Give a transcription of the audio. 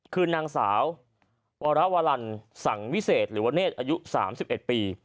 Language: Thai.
คือนางสาววรวรรณสังวิเศษหรือว่าเนธอายุ๓๑ปี